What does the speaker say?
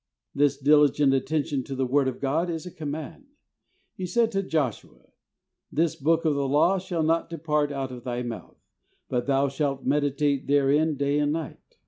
This diligent attention to the Word of God is a command. He said to Joshua, "This book of the law shall not depart out of thy mouth, but thou shalt meditate there in day and night."